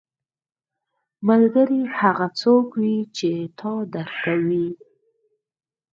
ملګری هغه څوک وي چې تا درک کوي